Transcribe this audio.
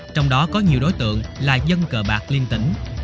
trong đó có nhiều đối tượng là dân cờ bạc liên tỉnh